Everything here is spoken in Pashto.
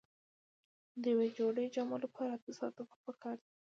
د یوې جوړې جامو لپاره اته ساعته وخت پکار دی.